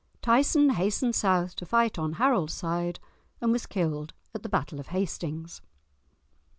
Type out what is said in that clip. Tyson hastened south to fight on Harold's side, and was killed at the battle of Hastings.